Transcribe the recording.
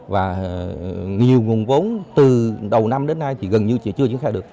và nhiều nguồn vốn từ đầu năm đến nay thì gần như chưa triển khai được